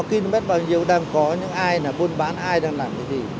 km bao nhiêu đang có những ai bôn bán ai đang làm cái gì